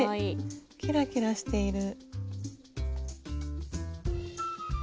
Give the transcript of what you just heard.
キラキラしている。